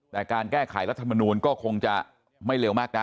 แต่การแก้ไขรัฐมนูลก็คงจะไม่เร็วมากนัก